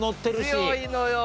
強いのよ。